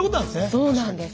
そうなんです。